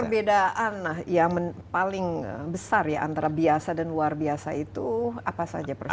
tapi perbedaan yang paling besar antara biasa dan luar biasa itu apa saja prosesnya